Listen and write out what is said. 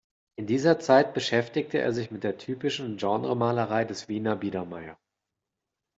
In dieser Zeit beschäftigte er sich mit der typischen Genremalerei des Wiener Biedermeier.